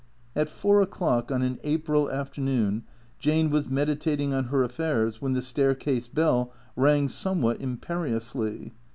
At four o'clock on an April afternoon Jane was meditating on her affairs when the staircase bell rang somewhat imperiously.